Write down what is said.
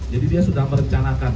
jadi dia sudah merencanakan